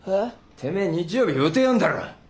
てめえ日曜日予定あんだろ。